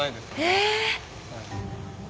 え！